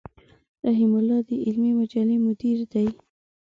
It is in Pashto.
رحيم الله د علمي مجلې مدير دی.